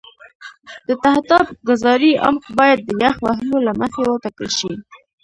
د تهداب ګذارۍ عمق باید د یخ وهلو له مخې وټاکل شي